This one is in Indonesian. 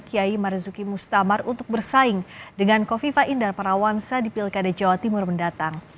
kiai marzuki mustamar untuk bersaing dengan kofifa indar parawansa di pilkada jawa timur mendatang